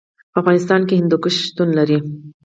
په افغانستان کې هندوکش شتون لري.